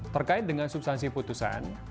terkait dengan substansi putusan